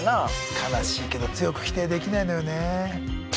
悲しいけど強く否定できないのよね。